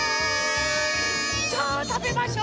さあたべましょ。